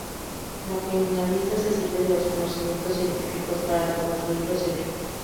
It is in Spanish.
La criminalística se sirve de los conocimientos científicos para reconstruir los hechos.